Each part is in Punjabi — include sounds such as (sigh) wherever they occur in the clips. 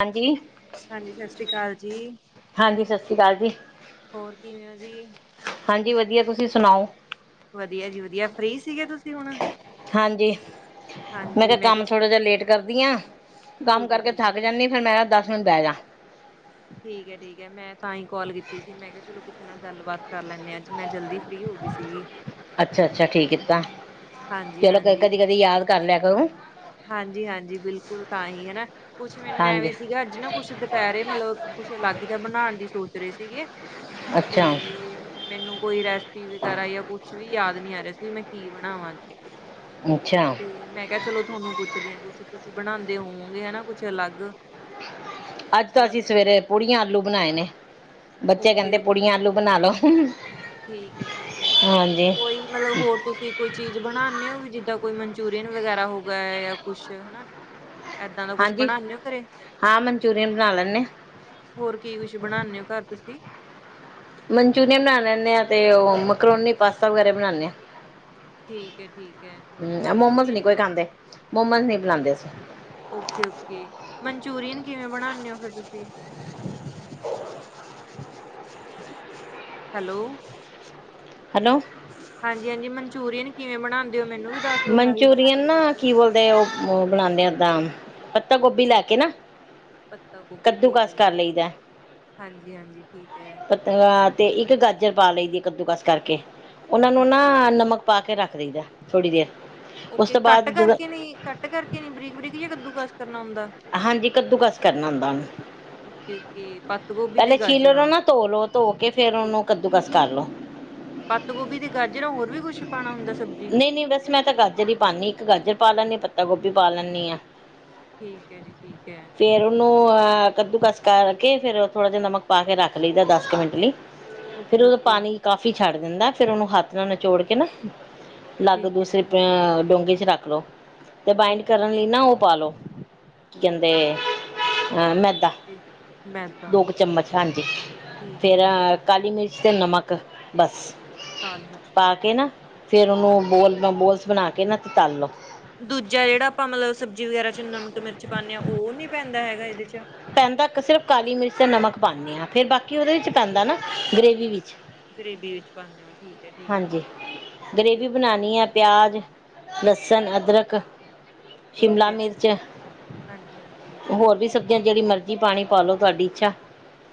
ਹਾਂਜੀ ਹਾਂਜੀ ਸਤਿ ਸ੍ਰੀ ਅਕਾਲ ਜੀ ਹਾਂਜੀ ਸਤਿ ਸ੍ਰੀ ਅਕਾਲ ਜੀ। ਹੋਰ ਕਿਵੇਂ ਹੋ ਜੀ। ਹਾਂਜੀ ਵਧੀਆ ਤੁਸੀਂ ਸੁਣਾਓ। ਵਧੀਆ ਜੀ ਵਧੀਆ ਫ੍ਰੀ ਸੀਗੇ ਤੁਸੀਂ ਹੁਣ। ਹਾਂਜੀ ਮੈਂ ਕਿਹਾ ਕੰਮ ਥੋੜ੍ਹਾ ਜਿਹਾ ਲੇਟ ਕਰਦੀ ਹਾਂ। ਕੰਮ ਠੀਕ ਹੈ ਕਰਕੇ ਠੀਕ ਹੈ ਥੱਕ ਜਾਂਦੀ। ਫੇਰ ਮੈਂ ਦੱਸ ਮਿੰਟ ਬਹਿ ਜਾਂ। ਠੀਕ ਹੈ ਠੀਕ ਹੈ ਮੈਂ ਤਾਂ ਹੀ ਕੋਲ ਕੀਤੀ ਸੀ ਮੈਂ ਕਿਹਾ ਚਲੋ ਕਿਸੇ ਨਾਲ ਗੱਲਬਾਤ ਕਰ ਲੈਂਨੇ ਹਾਂ ਅੱਜ ਮੈਂ। ਜਲਦੀ ਫ੍ਰਰੀ ਹੋ ਗਈ ਸੀਗੀ ਅੱਛਾ ਅੱਛਾ ਠੀਕ ਕੀਤਾ। ਹਾਂਜੀ ਚਲੋ ਕ ਹਾਂਜੀ ਕਦੀ ਕਦੀ ਯਾਦ ਕਰ ਲਿਆ। (unintelligible) ਹਾਂਜੀ ਹਾਂਜੀ ਬਿਲਕੁਲ ਤਾਂ ਹੀ ਹਨਾ ਕੁਛ ਮੈਨੂੰ ਹਾਂਜੀ ਐਵੇਂ ਸੀਗਾ ਅੱਜ ਨਾ ਕੁਛ ਦੁਪਹਿਰੇ ਮਤਲਬ। ਕੁਛ ਅਲੱਗ ਜਾਂ ਬਣਾਉਣ ਦੀ ਸੋਚ। ਰੇ ਸੀਗੇ ਅੱਛਾ ਤੇ ਮੈਨੂੰ ਕੋਈ ਰੈਸਪੀ ਵਗੈਰਾ ਜਾ ਕੁਛ ਵੀ। ਯਾਦ ਨਹੀਂ ਆ ਰਿਹਾ ਸੀ ਵੀ ਮੈਂ ਕੀ ਬਣਾਵਾਂ ਅੱਜ। ਅੱਛਾ ਤੇ ਮੈਂ ਕਿਹਾ ਚਲੋ ਤੁਹਾਨੂੰ ਪੁੱਛਦੀ ਹਾਂ ਕੁੱਛ। ਬਣਾਉਦੇ ਹੋਵੋਂਗੇ ਹੈਨਾ ਕੁਛ ਅਲੱਗ। ਅੱਜ ਤਾਂ ਅਸੀਂ ਮਤਲਬ ਸਵੇਰੇ ਪੁੜੀਆਂ ਆਲੂ ਬਣਾਏ ਨੇ ਬੱਚੇ ਓਕੇ ਕਹਿੰਦੇ ਓਕੇ ਪੁੜੀਆਂ ਆਲੂ ਬਣਾ ਲਓ। ਠੀਕ ਹੈ ਠੀਕ ਹੈ ਹਾਂਜੀ ਕੋਈ ਮਤਲਬ ਹੋਰ ਤੁਸੀਂ ਕੋਈ ਚੀਜ਼ ਬਣਾਦੇ ਹੋ। ਜਿੱਦਾਂ ਕੋਈ ਮਨਚੂਰੀਅਨ ਵਗੈਰਾ ਹੋ ਗਿਆ ਜਾਂ ਕੁਛ ਹੈਨਾ। ਏਦਾਂ ਦਾ ਕੁਛ ਹਾਂਜੀ ਬਣਨੇ ਓ ਘਰੇ। ਹਾਂ ਮਨਚੂਰੀਅਨ ਬਣਾ ਲੈਂਦੇ ਹੋਰ ਕੀ ਕੁਛ ਬਣਾਦੇ ਹੋ ਘਰ ਤੁਸੀਂ। ਮਨਚੂਰੀਅਨ ਬਨਾ ਲੈਨੇ ਆ ਤੇ ਉਹ ਮਕਰੋਨੀ, ਪਾਸਤਾ ਵਗੈਰਾ ਬਣਾਨੇ ਆ। ਠੀਕ ਹੈ ਠੀਕ ਹੈ ਹਮ ਮੋਮੋਸ ਨਹੀਂ ਮਨਚੂਰੀਅਨ ਕੋਈ ਖਾਂਦੇ, ਮੋਮੋਸ ਨੀ ਨਹੀਂ ਬਨਾਦੇ ਅਸੀ। ਓਕੇ-ਓਕੇ ਮਨਚੂਰੀਅਨ ਕਿਵੇਂ ਬਣਾਨੇ ਹੋ ਫਿਰ ਤੁਸੀ। (unintelligible) ਹੈਲੋ, ਹੈਲੋ, ਹਾਂਜੀ ਹਾਂਜੀ ਮਨਚੂਰੀਅਨ ਕਿਵੇਂ ਬਣਾਉਂਦੇ। ਹੋ ਮੈਨੂੰ ਵੀ ਦੱਸ ਦਿਓ ਮੈਂ ਵੀ ਬਣਾ ਮਨਚੂਰੀਅਨ ਕੇ ਦੇਖ ਨਾ ਲਾਂਗੀ ਕੀ ਬੋਲਦੇ ਉਹ ਬਣਾਉਂਦੇ ਓਦਾਂ। ਪੱਤਾਗੋਭੀ ਲੈ ਕੇ ਨਾ। ਪੱਤਾਗੋਭੀ ਠੀਕ ਹੈ ਕੱਦੂਕਸ ਕਰ ਜੀ ਹਾਂਜੀ ਹਾਂਜੀ ਠੀਕ ਹੈ। ਪਤਾ ਤੇ ਇੱਕ ਗਾਜਰ ਪਾ ਲਈ ਦੀ ਕਦੂਕਸ। ਕਰਕੇ ਉਹਨਾਂ ਨੂੰ ਨਾ ਓਕੇ ਨਮਕ ਪਾ ਕੇ ਰੱਖ ਦਈਦਾ ਥੋੜ੍ਹੀ ਦੇਰ। ਉਸ ਓਕੇ ਤੋਂ ਕੱਟ ਬਾਅਦ ਜਦੋਂ ਕਰਕੇ ਨਹੀਂ ਕੱਟ ਕਰਕੇ ਨੀ ਬਰੀਕ ਬਰੀਕ ਜਾਂ ਕੱਦੂ ਕੱਸ। ਹਾਂਜੀ ਕੱਦੂ ਕੱਸ ਕਰਨਾ ਹੁੰਦਾ ਉਹਨੂੰ। ਓਕੇ ਓਕੇ ਪੱਤ ਗੋਭੀ ਤੇ ਪਹਿਲੇ ਛੀਲ ਲਓ ਉਨ੍ਹਾਂ ਗਾਜਰਾਂ ਨੂੰ ਨਾ ਧੋ ਲੋ ਧੋ ਕੇ ਫੇਰ ਉਹਨੂੰ ਕੱਦੂਕਸ ਕਰ ਲੋ। ਪਤਗੋਭੀ ਤੇ ਗਾਜਰਾਂ ਹੋਰ ਵੀ ਕੁੱਛ ਪਾਉਣਾ ਹੁੰਦਾ। ਨਹੀ-ਨਹੀ ਬਸ ਮੈਂ ਤਾਂ ਗਾਜਰ ਹੀ ਪਾਨੀ ਇੱਕ ਗਾਜਰ ਪਾ ਲੈਨੀ ਆ ਪੱਤਾ ਗੋਭੀ ਪਾ ਲੈਨੀ ਆ। ਠੀਕ ਹੈ ਜੀ ਠੀਕ ਹੈ ਫੇਰ ਉਹਨੂੰ ਅਹ ਕੱਦੂਕੱਸ ਕਰਕੇ ਫਿਰ ਥੋੜ੍ਹਾ ਜਿਹਾ ਨਮਕ ਪਾ ਕੇ ਰੱਖ ਲਈ ਦਾ, ਦਸ ਕੁ ਮਿੰਟ ਲਈ ਫਿਰ ਓਕੇ ਉਹਦੋਂ ਓਕੇ ਪਾਣੀ ਕਾਫੀ ਛੱਡ ਦਿੰਦਾ ਫੇਰ ਉਹਨੂੰ ਹੱਥ ਨਾਲ ਨਿਚੋੜ ਕੇ ਨਾ ਅਲੱਗ ਠੀਕ ਹੈ ਦੂਸਰੇ ਡੋਂਗੇ ਚ ਰੱਖ ਲੋ। ਤੇ ਬਾਈੰਡ ਓਕੇ ਕਰਨ ਲਈ ਨਾ ਉਹ ਪਾ ਲੋ ਕੀ ਕਹਿੰਦੇ ਅ ਠੀਕ ਮੈਦਾ ਜੀ। ਮੈਦਾ ਦੋ ਕੁ ਚਮਚ ਹਾਂਜੀ ਠੀਕ ਹੈ ਫੇਰ ਠੀਕ ਹੈ ਕਾਲੀ ਮਿਰਚ ਅਤੇ ਨਮਕ, ਬਸ। ਕਾਲੀ ਮਿਰਚ, ਨਮਨ ਫਿਰ ਉਹਨੂੰ ਬੋਲ ਮ ਬੋਲਸ ਬਣਾ ਕੇ ਨਾ ਤਲ ਲਓ। ਦੂਜਾ ਜਿਹੜਾ ਆਪਾਂ ਮਤਲਬ ਸਬਜ਼ੀ ਵਗੈਰਾ ਚ ਨਮਕ ਮਿਰਚ ਪਾਂਨੇ ਹਾਂ, ਉਹ ਨੀ ਪੈਂਦਾ ਹੈਗਾ ਇਹਦੇ ਚ। ਪੈਂਦਾ ਕ ਸਿਰਫ ਕਾਲੀ ਮਿਰਚ ਤੇ ਨਮਕ ਪਾਨੀ ਹਾਂ, ਫਿਰ ਬਾਕੀ ਉਹਦੇ ਵਿੱਚ ਪੈਂਦਾ ਨਾ ਗ੍ਰੇਵੀ ਵਿੱਚ। ਗਰੇਵੀ ਵਿੱਚ ਪਾਂਦੇ ਹੋ ਠੀਕ ਹੈ, ਠੀਕ ਹੈ ਹਾਂਜੀ ਗਰੇਵੀ ਓਕੇ-ਓਕੇ। ਬਣਾਉਣੀ ਹੈ ਪਿਆਜ਼ ਲਸਣ, ਅਦਰਕ ਠੀਕ ਸ਼ਿਮਲਾ ਹੈ ਜੀ ਮਿਰਚ, ਹਾਂਜੀ ਹਾਂਜੀ ਹੋਰ ਵੀ ਸਬ ਜਾਂ ਜਿਹੜੀ ਮਰਜ਼ੀ ਪਾਣੀ ਪਾਲੋ, ਤੁਹਾਡੀ ਇੱਛਾ।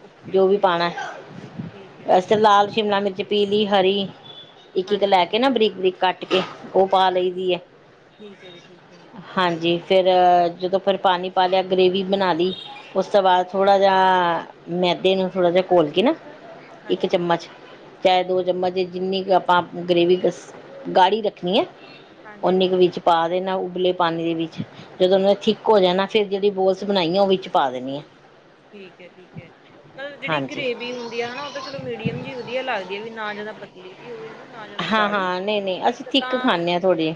ਓਕੇ ਜੋ ਵੀ ਓਕੇ ਪਾਣਾ ਠੀਕ ਹੈ ਜੀ ਵੈਸੇ ਲਾਲ, ਸ਼ਿਮਲਾ ਮਿਰਚ, ਪੀਲੀ, ਹਰੀ। ਇੱਕ- ਇੱਕ ਹਾਂਜੀ ਲੈ ਹਾਂਜੀ ਕੇ ਨਾ ਬਰੀਕ-ਬਰੀਕ ਕੱਟ ਕੇ, ਉਹ ਪਾ ਲਈ ਦੀ ਐ। ਠੀਕ ਹੈ ਜੀ, ਠੀਕ ਹੈ। ਫਿਰ ਜਦੋਂ ਫਿਰ ਪਾਣੀ ਪਾ ਲਿਆ ਗਰੇੇਵੀ ਬਣਾ ਲਈ, ਉਸ ਤੋਂ ਬਾਅਦ ਹਾਂਜੀ ਥੋੜ੍ਹਾ ਜਿਹਾ ਮੈਦੇ ਨੂੰ ਥੋੜ੍ਹਾ ਜਿਹਾ ਘੋਲ ਕੇ ਨਾ ਇੱਕ ਹਾਂਜੀ ਹਾਂਜੀ ਚਮਚ ਚਾਹੇ ਦੋ ਚਮਚ ਜਿੰਨੀ ਕੁ ਆਪਾਂ ਗਰੇਵੀ ਬਸ ਗਾੜ੍ਹੀ ਰੱਖਣੀ ਐ। ਹਾਂਜੀ ਉੱਨੀ ਕੁ ਹਾਂਜੀ ਵਿੱਚ ਪਾ ਦੇਣਾ। ਉਬਲੇ ਪਾਣੀ ਦੇ ਵਿੱਚ ਜਦੋਂ ਉਹਨਾਂ ਨੇ ਥਿੱਕ ਹੋ ਜਾਣਾ, ਫਿਰ ਜਿਹੜੀ ਬੋਲਸ ਬਣਾਈਆਂ ਉਹ ਵਿੱਚ ਪਾ ਦੇਣੀਆਂ। ਠੀਕ ਹੈ, ਠੀਕ ਹੈ। ਮਤਲਬ ਜਿਹੜੀ ਹਾਂਜੀ ਗਰੇੇਵ ਹੁੰਦੀ ਹਨਾ, ਉਹ ਤਾਂ ਚਲੋ ਮੀਡੀਅਮ ਜਿਹੀ ਵਧੀਆ ਲਗਦੀ ਹੈ ਵੀ ਨਾ ਜਿਆਦਾ ਪਤਲੀ ਜਿਹੀ ਹੋਵੇ ਹਨਾ। ਨਾ ਜਿਆਦਾ ਹਾਂ ਗਾੜੀ, ਹਾਂ ਨਹੀਂ ਨਹੀਂ ਅਸੀਂ ਇੱਕ ਥਿੱਕ ਤਾਂ ਖਾਂਦੇ ਹਾਂ ਥੋੜ੍ਹੀ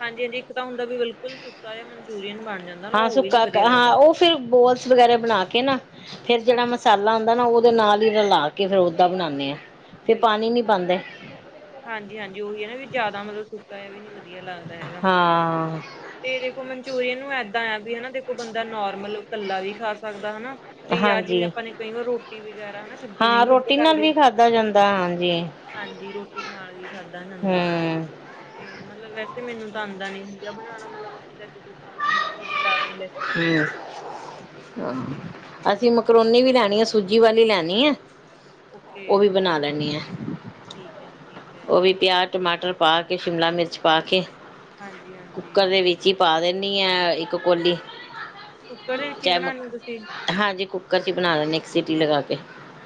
ਹਾਂਜੀ-ਹਾਂਜੀ ਇੱਕ ਤਾਂ ਹੁੰਦਾ ਵੀ ਬਿਲਕੁਲ ਤੂੰ ਸੁਕਾ ਜਾ ਮਨਚੂਰੀਅਨ ਬਣ ਜਾਂਦਾ ਨਾ ਹਾਂ, ਉਹ ਵੀ ਨੀ ਸੁੱਕਾ ਵਧੀਆ ਹਾਂ ਲੱਗਦਾ ਉਹ ਫਿਰ ਬੋਲਸ ਵਗੈਰਾ ਬਣਾ ਕੇ ਨਾ ਫਿਰ ਜਿਹੜਾ ਹਾਂਜੀ ਮਸਾਲਾ ਹੁੰਦਾ ਨਾ ਦੇ ਨਾਲ ਹੀ ਰਲਾ ਕੇ, ਫ਼ਿਰ ਓਦਾ ਬਣਾਨੇ ਹਾਂ। ਫਿਰ ਪਾਣੀ ਬਿਲਕੁਲ, ਨਹੀਂ ਬਿਲਕੁਲ, ਪਾਉਂਦੇ ਹਾਂਜੀ- ਹਾਂਜੀ ਉਹੀ ਹੈ ਨਾ ਵੀ ਜ਼ਿਆਦਾ ਮਤਲਬ ਸੁਕਾ ਵੀ ਨੀ ਵਧੀ ਵਧੀਆ, ਲੱਗਦਾ ਹੈਗਾ। ਹਾਂ ਤੇ ਦੇਖੋ ਮੰਚੂਰੀਅਨ ਨੂੰ ਇਦਾਂ ਆ ਵੀ ਹੈ ਨਾ। ਦੇਖੋ, ਬੰਦਾ ਨਾਰਮਲ ਕੱਲਾ ਵੀ ਖਾ ਸਕਦਾ ਹੈ ਨਾ। ਤੇ ਯਾਰ ਹਾਂਜੀ ਜਿਵੇਂ ਆਪਾਂ ਨੇ ਕਈ ਵ ਰੋਟੀ ਵਗੈਰਾ ਹਨਾ ਸਬਜ਼ੀ ਹਾਂ ਨਹੀਂ ਵਧੀਆ ਰੋਟੀ ਨਾਲ ਲੱਗਦੀ। ਵੀ ਖਾਧਾ ਜਾਂਦਾ ਹਾਂਜੀ ਹਾਂਜੀ। ਰੋਟੀ ਨਾਲ ਵੀ ਖਾਧਾ ਜਾਂਦਾ ਹਮ ਤੇ ਮਤਲਬ ਤੇ ਮੈਨੂੰ ਤਾਂ ਆਉਂਦਾ ਨਹੀਂ ਸੀਗਾ ਬਣਾਉਣਾ, ਮਤਲਬ ਜਿੱਦਾਂ ਜਦੋਂ ਖਾਣਾ ਹੁੰਦਾ। ਬਾਜ਼ਾਰੋਂ ਲੈ ਕੇ ਆਨੇ ਆ। ਹਮ ਹਾਂਜੀ-ਹਾਂਜੀ ਅਸੀਂ ਮਕਰੋਨੀ ਵੀ ਲੈਣੀ ਆ ਸੂਜੀ ਵਾਲੀ ਲੈਣੀ। ਣੀ ਆ ਉਹ ਓਕੇ, ਵੀ ਬਣਾ ਠੀਕ ਆ। ਓਹੀ ਪਿਆਜ਼, ਟਮਾਟਰ ਪਾ ਕੇ, ਸ਼ਿਮਲਾ ਮਿਰਚ ਪਾ ਕੇ। ਹਾਂਜੀ-ਹਾਂਜੀ। ਕੁੱਕਰ ਦੇ ਵਿੱਚ ਹੀ ਪਾ ਦਿੰਦੀ ਆ, ਇੱਕ ਕੌਲੀ। ਕੁੱਕਰ ਦੇ ਵਿੱਚ ਹੀ ਚਾਹੇ ਬਣਾਣੀ ਤੁਸੀਂ ਹਾਂਜੀ, ਕੁੱਕਰ 'ਚ ਹੀ ਬਣਾ ਲੈਂਦੇ ਆ ਇੱਕ, ਸੀਟੀ ਲਗਾ ਕੇ।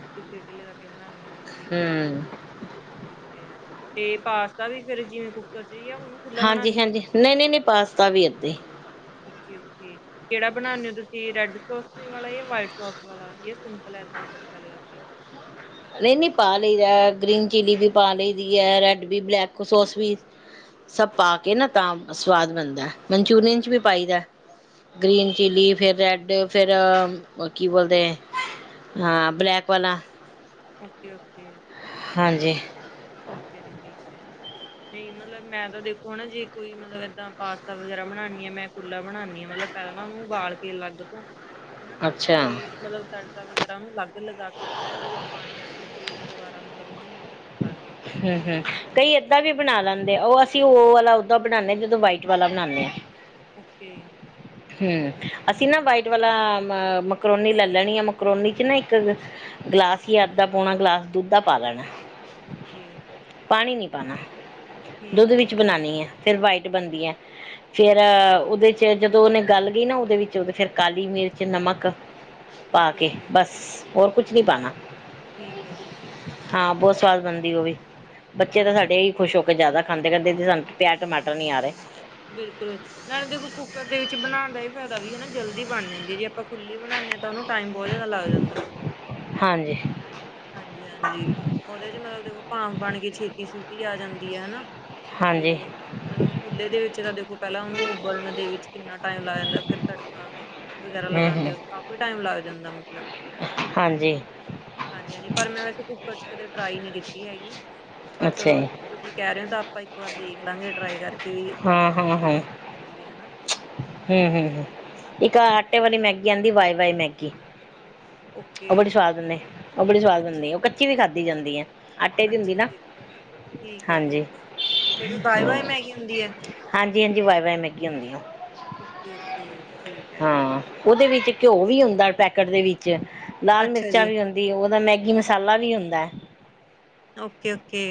ਤੁਸੀਂ ਸੀਟੀ ਲਗਾ ਕੇ ਬਣਾਉਂਦੇ ਹੋ। ਠੀਕ ਆ, ਹੂੰ ਠੀਕ- ਠੀਕ। ਤੇ ਪਾਸਤਾ ਵੀ ਫਿਰ ਜਿਵੇਂ ਕੁੱਕਰ। ਜਾਂ ਉਹਨੂੰ ਖੁੱਲਾ ਹਾਂਜੀ ਬਣਾਨੇ ਹਾਂਜੀ। ਨਹੀਂ ਨਹੀਂ ਨਹੀਂ, ਪਾਸਤਾ ਵੀ ਐਦਾਂ ਹੀ। ਓਕੇ- ਓਕੇ, ਕਿਹੜਾ ਬਣਾਉਂਦੇ ਹੋ ਤੁਸੀਂ, ਰੈੱਡ ਸੌਸ ਵਾਲਾ ਜਾਂ ਵ੍ਹਾਈਟ ਸੌਸ ਵਾਲਾ? ਫਲਾ ਇਦਾਂ ਹੀ ਤੜਕਾ ਲਗਾ ਕੇ (inaudible) ਨਹੀਂ ਨਹੀਂ, ਪਾ ਲਈਦਾ। ਗ੍ਰੀਨ ਚਿੱਲੀ ਵੀ ਪਾ ਲਈਦੀ ਐ, ਰੈੱਡ ਵੀ, ਬਲੈਕ ਸੌਸ ਵੀ। ਸਭ ਪਾ ਕੇ ਨਾ ਤਾਂ ਸਵਾਦ ਬਣਦਾ। ਮੰਚੂਰੀਅਨ 'ਚ ਵੀ ਪਾਈਦਾ। ਗ੍ਰੀਨ ਚਿੱਲੀ ਫਿਰ ਰੈੱਡ। ਫਿਰ ਅ ਕੀ ਬੋਲਦੇ ਹਾਂ ਬਲੈਕ ਵਾਲਾ। ਓਕੇ-ਓਕੇ, ਹਾਂਜੀ ਠੀਕ ਐ ਜੀ ਠੀਕ ਐ। ਨਹੀਂ ਮਤਲਬ ਮੈਂ ਤਾਂ ਦੇਖੋ ਨਾ ਜੀ ਕੋਈ ਮਤਲਬ ਏਦਾਂ ਪਾਸਤਾ ਵਗੈਰਾ ਬਣਾਨੀ ਆ ਮੈਂ ਖੁੱਲ੍ਹਾ ਬਣਾਨੀ ਆ ਮਤਲਬ ਪਹਿਲਾ ਨਾ ਉਹਨੂੰ ਉਬਾਲ ਕੇ ਅਲੱਗ ਤੋਂ ਹਨਾ ਤੇ ਅੱਛਾ ਮਤਲਬ ਤੜਕੇ ਤਾਂ ਵਗੈਰਾ ਉਹਨੂੰ ਅਲੱਗ ਲਗਾ ਕੇ ਥੋੜਾ ਉਹਦੇ ਵਿੱਚ ਪਾਣੀ ਰੱਖ ਕੇ ਫੇਰ ਦੁਬਾਰਾ ਮਤਲਬ ਉਹਨੂੰ ਕਰਦੇ ਆ ਤੜਕੇ ਹੂੰ, ਦੇ ਹੂੰ ਵਿੱਚ ਕਈ ਏਦਾਂ ਵੀ ਬਣਾ ਲੈਂਦੇ ਅ ਉਹ ਅਸੀਂ ਉਹ ਲੱਗ ਦਾ (unintelligible) ਬਣਾਨੇ ਆ ਜਦੋਂ ਵਾਈਟ ਵਾਲਾ ਬਣਾਨੇ ਆ ਓਕੇ ਹੂੰ ਠੀਕ ਹੈ ਅਸੀਂ ਨਾ ਠੀਕ ਵਾਈਟ ਵਾਲਾ ਅ ਮਕਰੋਨੀ ਲੈ ਲੈਣੀ ਆ ਮਕਰੋਨੀ ਚ ਨਾ ਇੱਕ ਗਲਾਸ ਈ ਆ ਅੱਧਾ ਪੌਣਾ ਗਿਲਾਸ ਦੁੱਧ ਦਾ ਪਾ ਲੈਣਾ। ਓਕੇ, ਪਾਣੀ ਨੀ ਪਾਣਾ ਦੁੱਧ ਠੀਕ ਹੈ ਵਿੱਚ ਠੀਕ ਬਣਾਨੀ ਐ, ਫਿਰ ਵਾਈਟ ਬਣਦੀ ਐ। ਫੇਰ ਉਹਦੇ ਚ ਜਦੋਂ ਉਹਨੇ ਗੱਲ ਗਈ ਨਾ ਉਹਦੇ ਵਿੱਚ ਉਹ ਫੇਰ ਕਾਲੀ ਮਿਰਚ ਨਮਕ ਪਾ ਓਕੇ ਕੇ ਓਕੇ ਬਸ ਹੋਰ ਕੁਛ ਨੀ ਪਾਣਾ, ਠੀਕ ਹੈ ਠੀਕ ਹੈ ਹਾਂ ਬਸ ਸਵਾਦ ਬਣਦੀ ਔਵੇ ਬੱਚੇ ਤਾਂ ਹਾਂਜੀ ਸਾਡੇ ਈ ਖੁਸ਼ ਹੋ ਕੇ ਜ਼ਿਆਦਾ ਖਾਂਦੇ ਕਰਦੇ ਸਾਨੂੰ ਪਿਆਜ਼, ਟਮਾਟਰ ਨੀ ਆ ਰੇ। ਬਿਲਕੁਲ ਨਾਲੇ ਦੇਖੋ ਕੁ ਕੁੱਕਰ ਦੇ ਵਿੱਚ ਬਣਾਣ ਦਾ ਇਹ ਫਾਇਦਾ ਵੀ ਹਨਾ ਜਲਦੀ ਬਣ ਜਾਂਦੀ ਏ ਜੇ ਆਪਾਂ ਖੁੱਲੀ ਬਣਾਣੇ ਆ ਪਰ ਉਹਨੂੰ ਟਾਈਮ ਬਹੁ ਜਿਆਦਾ ਲੱਗ ਜਾਂਦਾ। ਹਾਂਜੀ ਹਾਂਜੀ- ਹਾਂਜੀ ਉਹਦੇ ਚ ਮਤਲਬ ਦੇਖੋ ਭਾਫ ਬਣ ਕੇ ਛੇਤੀ ਸੀਟੀ ਆ ਜਾਂਦੀ ਆ ਹਨਾ। ਤੇ ਹਾਂਜੀ ਮਤਲਬ ਖੁੱਲੇ ਦੇ ਵਿੱਚ ਤਾਂ ਦੇਖੋ ਪਹਿਲਾਂ ਉਹਨੂੰ ਉਬਲਣ ਦੇ ਵਿੱਚ ਕਿੰਨਾ ਟਾਈਮ ਲੱਗ ਜਾਂਦਾ, ਫਿਰ ਤੜਕਾ ਵਗੈਰਾ ਹੂੰ ਲਗਾਂਦੇ ਹੂੰ ਓ ਕਾਫੀ ਟਾਈਮ ਲੱਗ ਜਾਂਦਾ ਮਤਲਬ। ਹਾਂਜੀ (unintelligible) ਹਾਂਜੀ ਹਾਂਜੀ ਪਰ ਮੈਂ ਵੈਸੇ ਕੁੂੱਕਰ ਚ ਕਦੇ ਟਰਾਈ ਨੀ ਕੀਤੀ ਹੈਗੀ। ਪਰ ਅੱਛਾ ਚਲੋ ਜੀ ਤੁਸੀਂ ਕਹਿ ਰੇ ਓ ਤਾਂ ਆਪਾਂ ਇੱਕ ਵਾਰ ਦੇਖ ਲਾਂਗੇ ਟਰਾਈ ਕਰ ਤੇ ਵੀ ਹਾਂ ਕੁੱਕਰ ਦੇ ਵਿੱਚ, ਹਾਂ ਹਾਂ ਕੀਦਾ ਦ ਬਣਦੀ ਐ ਨਾ। ਹੂੰ ਹੂੰ ਇੱਕ ਆਟੇ ਵਾਲੀ ਮੈਗੀ ਆਂਦੀ, ਵਾਏ ਵਾਏ ਮੈਗੀ। ਔ ਬੜੀ ਓਕੇ ਸਵਾਦ ਹੁੰਨੇ, ਔ ਬੜੀ ਸੁਆਵਾਦ ਹੁੰਦੀ ਐ, ਔ ਕੱਚੀ ਵੀ ਖਾਂਦੀ ਜਾਂਦੀ ਐ। ਅੱਛਾ ਜੀ ਠੀਕ ਐ, ਹਾਂਜੀ ਠੀਕ ਐ, ਜੜੀ ਬਾਏ ਹਾਂ ਬਏ ਮੈਗੀ ਹੁੰਦੀ ਏ? ਹਾਂਜੀ ਹਾਂਜੀ ਵਾਏ ਵਾਏ ਮੈਗੀ ਹੁੰਦੀ ਔ। ਔਕੇ-ਔਕੇ ਠੀਕ ਐ ਠੀਕ ਐ। ਉਹਦੇ ਵਿੱਚ ਘਿਓ ਵੀ ਹੁੰਦਾ ਪੈਕੇਟ ਦੇ ਵਿੱਚ, ਲਾਲ ਅੱਛਾ ਮਿਰਚਾਂ ਜੀ ਵੀ ਹੁੰਦੀ ਔਦਾ ਮੈਗੀ ਮੈਗੀ ਮਸਾਲਾ ਵੀ ਹੁੰਦਾ। ਔਕੇ-ਔਕੇ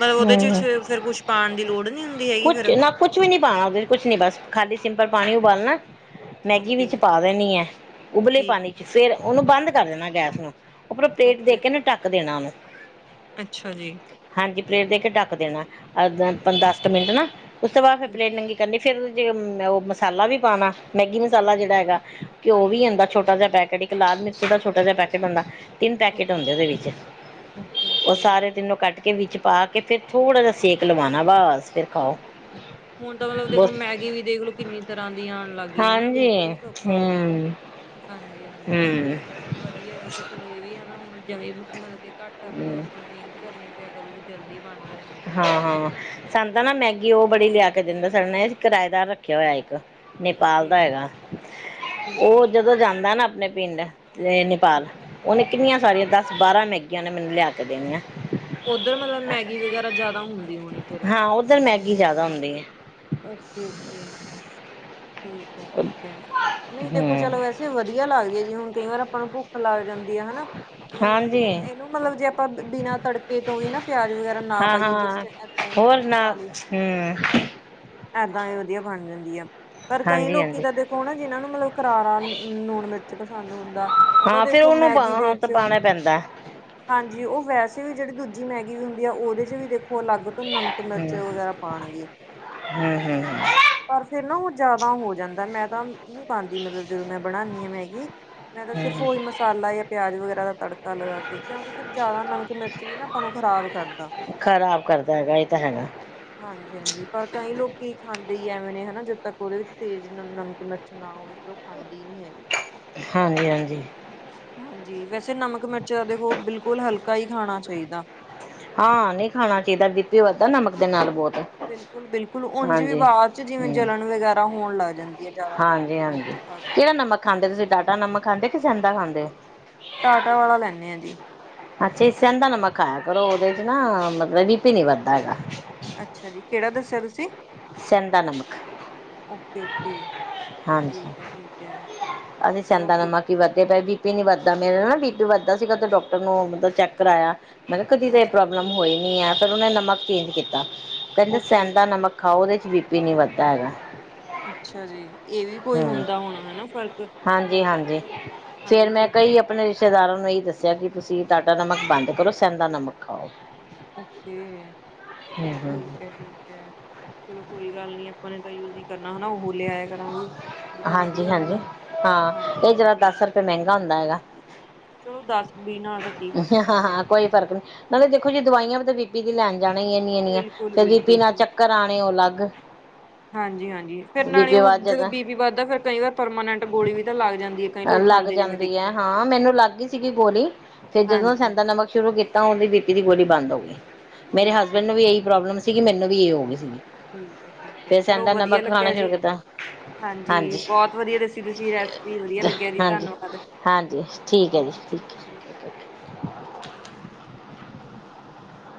ਮਤਲਬ ਉਹਦੇ ਚ ਛ ਹੂੰ ਫਿਰ ਕੁੱਛ ਪਾਣ ਦੀ ਲੋੜ ਨਹੀਂ ਹੁੰਦੀ ਹੈਗੀ ਫਿਰ ਕੁਛ ਨਾ ਕੁਛ ਵੀ ਨੀ ਪਾਣਾ ਉਹਦੇ ਚ, ਕੁਛ ਨੀ ਬਸ ਖਾਲੀ ਸਿੰਪਲ ਪਾਣੀ ਉਬਾਲਣਾ ਮੈਗੀ ਓਕੇ ਵਿੱਚ ਪਾ ਦੇਣੀ ਐ, ਉਬਲੇ ਠੀਕ ਹੈ ਪਾਣੀ ਚ ਠੀਕ ਫੇਰ ਉਹਨੂੰ ਬੰਦ ਕਰ ਦੇਣਾ ਗੈਸ ਨੂੰ। ਉਪਰੋ ਪਲੇਟ ਦੇ ਓਕੇ ਕੇ ਨਾ ਡੱਕ ਦੇਣਾ ਔਨੂ ਅੱਛਾ ਜੀ। ਹਾਂਜੀ ਪਲੇਟ ਦੇ ਕੇ ਟੱਕ ਦੇਣਾ, ਅਦਾ ਤ ਦਸਕ ਮਿੰਟ ਨਾ, ਉਸ ਤੋਂ ਬਾਅਦ ਫਿਰ ਠੀਕ, ਪਲੇਟ ਨੰਗੀ ਕਰਨੀ ਫਿਰ ਜੇ ਉਹ ਔ ਮਸਾਲਾ ਵੀ ਪਾਣਾ, ਮੈਗੀ ਮਸਾਲਾ ਜਿਹੜਾ ਹੈਗਾ, ਘਿਓ ਵੀ ਹਾਂਜੀ ਆਦਾ ਛੋਟਾ ਜਿਹਾ ਪੈਕ ਇਹੜੀ ਕ ਲਾਲ ਮਿਰਚ ਦਾ, ਛੋਟਾ ਜਾ ਪੈਕੇਟ ਹੋਂਦਾ। ਤਿੰਨ ਪੈਕੇਟ ਓਕੇ ਹੁੰਦੇ ਉਹਦੇ ਵਿੱਚ, ਓਕੇ ਉਹ ਓਕੇ ਸਾਰੇ ਤਿੰਨੋਂ ਕੱਟ ਕੇ ਵਿੱਚ ਪਾ ਕੇ ਫਿਰ ਥੋੜ੍ਹਾ ਜਾ ਸੇਕ ਲਵਾਣਾ ਬਾਸ, ਫਿਰ ਖਾਓ। ਹੁਣ ਤਾਂ ਮਤਲਬ ਦੇਖੋ ਬਹੁਤ ਮੈਗੀ ਵੀ ਦੇਖਲੋ ਕਿੰਨੀ ਤਰ੍ਹਾਂ ਦੀ ਆਣ ਲਗ ਗੀ, ਹੈਨਾ ਬਿਲਕੁਲ ਈ ਸੌਖਾ ਹੋ ਗਿਆ। ਹੂੰ ਹਾਂਜੀ ਹਾਂਜੀ ਵਧੀਆ ਵੈਸੇ ਚਲੋ ਇਹ ਵੀ ਹੈਨਾ, ਹੁਣ ਜਵੀ‌ ਮ ਮਤਲਬ ਕੇ ਘੱਟ ਮਤਲਬ ਹਮ ਆਪਾਂ ਨੂੰ ਮਿਹਨਤ ਕਰਨੀ ਪਿਆ ਕਰੂਗੀ ਜਲਦੀ ਬਣ ਜਾਂਦੀ ਹੈ ਹਾਂ ਹਨਾ ਹਾਂ ਜਿੱਦਾਂ ਤੁਸੀਂ ਸਾਨੂੰ ਦੱਸਿਆ ਤਾਂ ਨਾ ਮੈਗੀ ਉਹ ਬੜੀ ਲਿਆ ਕੇ ਦਿੰਦਾ, ਸਾਨੇ ਅ ਇਕ ਕਿਰਾਏਦਾਰ ਰੱਖਿਆ ਹੋਇਆ ਇੱਕ ਨੇਪਾਲ ਦਾ ਓਕੇ ਹੈਗਾ, ਠੀਕ ਹੈ ਉਹ ਜਦੋਂ ਜਾਂਦਾ ਨਾ ਆਪਣੇ ਪਿੰਡ ਤੇ ਨੇਪਾਲ ਹਾਂਜੀ ਔਨੇ ਕਿੰਨੀਆਂ ਸਾਰੀਆਂ ਦਸ ਬਾਰਾਂ ਮੈਗੀਆਂ ਨੇ ਮੈਨੂੰ ਲਿਆ ਕੇ ਦੇਣੀਆਂ ਉੱਧਰ ਮਤਲਬ ਮੈਗੀ ਵਗੈਰਾ ਜਿਆਦਾ ਹੁੰਦੀ ਹੋਣੀ ਫਿਰ ਕੀ ਜਿਆਦਾ ਹੁੰਦੀ ਹੈ ਓਕੇ ਓਕੇ ਠੀਕ ਹੈ, ਠੀਕ ਹੈ, ਨਹੀਂ ਦੇਖੋ ਹਮ ਚਲੋ ਵੈਸੇ ਵਧੀਆ ਲੱਗਦੀ ਹੈ ਜੀ, ਹੁਣ ਕਈ ਵਾਰ ਆਪਾਂ ਨੂੰ ਭੁੱਖ ਲੱਗ ਜਾਂਦੀ ਏ ਆ ਹਨਾ ਹਾਂਜੀ ਇਹਨੂੰ ਵੀ ਮਤਲਬ ਜੇ ਆਪਾਂ ਬਿਨਾਂ ਤੜਕੇ ਤੋਂ, ਵੀ ਨਾ ਪਿਆਜ ਵਗੈਰਾ ਨਾ ਹਾਂ ਪਾਈਏ, ਜਸਟ ਹਾਂ ਏਦਾਂ ਹੀ ਹਨਾ ਹੋਰ ਨਾ ਪਾ ਲਏ ਹੁੰ ਏਦਾਂ ਹੀ, ਵਧੀਆ ਬਣ ਜਾਂਦੀ ਆ ਪਰ ਕਈ ਹਾਂਜੀ ਲੋਕੀ ਹਾਂਜੀ ਤਾਂ ਦੇਖੋ ਨਾ, ਜਿਹਨਾਂ ਨੂੰ ਮਤਲਬ ਕਰਾਰਾ ਲੂਣ ਮਿਰਚ ਪਸੰਦ ਹੁੰਦਾ ਉਹਦਾ ਦੇਖੋ ਤੇ ਔਨੂੰ ਪਾ, ਮੈਗੀ ਦੇ ਹੁਣ ਤਾਂ ਵਿੱਚ ਪਾਉਣਾ ਪੈਂਦਾ ਹਾਂਜੀ ਉਹ ਵੈਸੇ ਵੀ ਜਿਹੜੀ ਦੂਜੀ ਮੈਂ ਵੀ ਹੁੰਦੀ ਆ, ਔਦੇ ਚ ਵੀ ਦੇਖੋ ਅਲੱਗ ਤੋਂ ਨਮਕ ਹਮ ਮਿਰਚ ਵਗੈਰਾ ਪਾਉਣਗੇ ਹਮ ਹਮ ਪਰ ਫਿਰ ਨਾ ਉਹ ਜਿਆਦਾ ਹੋ ਜਾਂਦਾ, ਮੈਂ ਤਾਂ ਨਹੀਂ ਪਾਉਂਦੀ, ਮਤਲਬ ਜਦੋਂ ਮੈਂ ਬਣਾਉਂਦੀ ਆ ਮੈਗੀ ਮੈਂ ਤਾਂ ਸਿਰਫ ਹਮ ਉਹੀ ਮਸਾਲਾ, ਜਾਂ ਪਿਆਜ ਵਗੈਰਾ ਦਾ ਤੜਕਾ ਲਗਾ ਕੇ ਕਿਉਂਕਿ ਫਿਰ ਜ਼ਿਆਦਾ ਨਮਕ ਮਿਰਚ ਵੀ ਨਾ ਆਪਾਂ ਨੂੰ ਖ਼ਰਾਬ ਕਰਦਾ ਖਰਾਬ ਕਰਦਾ ਹੈਗਾ ਇਹ ਤਾਂ ਹੈਗਾ ਹਾਂਜੀ ਹਾਂਜੀ ਪਰ ਕਈ ਲੋਕ ਖਾਂਦੇ ਹੀ ਐਵੇਂ ਨੇ, ਹੈਨਾ ਜਦ ਤੱਕ ਔਦੇ ਵਿੱਚ ਤੇਜ਼ ਨਮਕ ਮਿਰਚ ਨਾ ਹੋਵੇ ਫਿਰ ਉਹ ਖਾਂਦੀ ਨਹੀਂ ਹੈਗੀ ਹਾਂਜੀ -ਹਾਂਜੀ ਹਾਂਜੀ ਵੈਸੇ ਨਮਕ ਮਿਰਚ ਦੇਖੋ ਬਿਲਕੁਲ ਹਲਕਾ ਹੀ ਖਾਣਾ ਚਾਹੀਦਾ ਹਾਂ ਨਹੀਂ ਖਾਣਾ ਚਾਹੀਦਾ, ਬੀਪੀ ਵੱਧਦਾ ਨਮਕ ਦੇ ਨਾਲ ਬਹੁਤ ਬਿਲਕੁਲ ਬਿਲਕੁਲ ਉਝ ਵੀ ਹਾਂਜੀ ਬਾਅਦ ਚ ਜਿਵੇਂ ਹਮ ਜਲਣ ਵਗੈਰਾ ਹੋਣ ਲੱਗ ਜਾਂਦੀ ਹੈ ਜ਼ਿਆਦਾ ਹਾਂਜੀ ਨਮਕ ਹਾਂਜੀ ਮਿਰਚ ਖਾ ਕੇ ਕਿਹੜਾ ਨਮਕ ਖਾਂਦੇ ਤੁਸੀਂ, ਟਾਟਾ ਨਮਕ ਖਾਂਦੇ ਕਿ ਸੌਂਦਾ ਖਾਂਦੇ ਔ ਟਾਟਾ ਵਾਲਾ ਲੈਂਦੇ ਹਾਂ ਜੀ ਅੱਛਾ ਈ, ਸਹਿੰਦਾ ਨਮਕ, ਖਾਇਆ ਕਰੋ ਉਹਦੇ ਚ ਨਾ ਮਤਲਬ, ਬੀਪੀ ਨੀ ਵੱਧਦਾ ਹੈਗਾ। ਅੱਛਾ ਜੀ, ਕਿਹੜਾ ਦੱਸਿਆ ਤੁਸੀਂ? ਸੇਂਦਾ--ਨਮਕ। ਓਕੇ-ਓਕੇ ਹਾਂਜੀ, ਅ ਚਲੋ ਸੇਦਾ ਅੱਗੇ ਨਮਕ ਕੀ ਵੱਧਦੇ ਪਏ ਬੀਪੀ, ਨਈ ਵੱਧਦਾ ਮੇਰੇ ਨਾਲ ਢਿਡ ਵੱਧਦਾ ਸੀਗਾ, ਤੇ ਡਾਕਟਰ ਨੂੰ ਮਤਲਬ ਚੈੱਕ ਕਰਾਇਆ, ਮੈ ਕਿਹਾ, ਕਦੀ ਏ ਅੱਛਾ ਜੀ ਪ੍ਰੋਬਲਮ ਹੋਈ ਨਈ ਹੈ ਫਿਰ ਉਹਨੇ ਨਮਕ ਚੇਂਜ ਕੀਤਾ, ਕਹਿੰਦੇ ਓਕੇ ਸੈਂਦਾ ਨਮਕ ਖਾਓ ਉਹਦੇ ਚ, ਬੀ ਪੀ ਵੱਧਦਾ ਹੈਗਾ ਅੱਛਾ ਜੀ ਇਹ ਵੀ ਕੋਈ ਹਮ ਹੁੰਦਾ ਹੋਣਾ, ਹਨਾ ਫ਼ਰਕ ਹਾਂਜੀ-ਹਾਂਜੀ। ਮਤਲੱਬ ਫੇਰ ਹਾਂਜੀ, ਮੈਂ ਠੀਕ ਹੈ ਕਈ ਆਪਣੇ ਰਿਸ਼ਤੇਦਾਰਾਂ ਨੂੰ ਇਹੀ ਦੱਸਿਆ, ਕਿ ਤੁਸੀਂ ਟਾਟਾ ਨਮਕ ਬੰਦ ਕਰੋ। ਸੈਂਦਾ- ਨਮਕ, ਖਾਓ ਓਕ, ਠੀਕ ਹੈ ਠੀਕ ਹੈ। ਆਪਣੇ, ਤਾਂ ਯੂਜ ਹੀ ਕਰਨਾ ਹਨਾ ਲਿਆਇਆ ਕਰਾਂਗੇ ਜਿਹੜਾ ਵਧੀਆ ਹਾਂਜੀ-ਹਾਂਜੀ ਹੁੰਦਾ ਹਾਂ ਹਾਂਜੀ ਇਹ ਜਰਾ ਹਾਂਜੀ ਦਸ ਰੁਪਏ, ਮਹਿੰਗਾ ਹੁੰਦਾ ਹੈਗਾ ਚਲੋ ਦੱਸ ਹਾਂ-ਹਾਂ ਕੋਈ ਫਰਕ ਨੀ ਨਾਲੇ ਦੇਖੋ ਜੀ, ਦਵਾਈਆਂ ਵੀ ਬੀ ਪੀ ਦੀ ਲੈਣ ਜਾਣੈ ਇਨੀ ਇਨੀਆਂ ਬਿਲਕੁਲ ਫਿਰ ਬੀ- ਪੀ ਬਿਲਕੁਲ ਨਾ ਸਹੀ ਚੱਕਰ ਆਉਣੇ ਉਹ ਅਲੱਗ ਹਾਂਜੀ ਹਾਂਜੀ ਫਿਰ ਬੀ ਨਾਲੇ ਪੀ ਵੱਧ ਉਹ ਜਦੋਂ ਜਾਦਾ ਬੀ ਪੀ ਵੱਧ ਜਾਂਦਾ, ਫਿਰ ਕਈ ਵਾਰ ਪਰਮਾਨੈਂਟ, ਗੋਲੀ ਵੀ ਤਾਂ ਲੱਗ ਜਾਂਦੀ। ਕਈ ਲੋਕ ਲੱਗ ਖਾਂਦੇ ਨੇ ਮੈਂ ਜਾਂਦੀ ਹੈ, ਦੇਖਿਆ ਹਾਂ ਮੈਨੂੰ ਲੱਗ ਗਈ ਸੀ ਗੋਲੀ, ਜਦੋਂ ਹਾਂਜੀ ਸੈਂਦਾ ਹਾਂਜੀ ਨਮਕ ਸ਼ੁਰੂ ਕਿਹਦਾ, ਉਹਦੀ ਬੀ ਪੀ ਦੀ ਗੋਲੀ ਬੰਨ ਦੋ ਮੇਰੇ ਹਸਬੈਂਡ, ਬਿਲਕੁਲ ਨੂੰ ਵੀ ਇਹੀ ਪ੍ਰੋਬਲਮ ਸੀਗੀ, ਮੈਨੂੰ ਵੀ ਇਹ ਹੋ ਗਈ ਸੀਗੀ। ਠੀਕਹੈ ਠੀਕਹੈ, ਫਿਰ ਚਲੋ ਸੈਂਦਾ ਵਧੀਆ ਨਮਕ ਲੱਗਿਆ ਖਾਣਾ ਸ਼ੁਰੂ ਜੀ। ਕੀਤਾ ਹਾਂਜੀ, ਬਹੁਤ ਵਧੀਆ ਦੱਸੀ ਤੁਸੀਂ ਰੈਸਪੀ, ਵਧੀਆ ਲੱਗੀ ਹਾਂਜੀ--ਹਾਂਜੀ ਠੀਕਹੈਜੀ, ਓਕੇ ਠੀਕ ਓਕੇ ਹੈ (unintelligible)